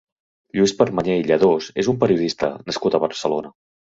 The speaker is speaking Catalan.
Lluís Permanyer i Lladós és un periodista nascut a Barcelona.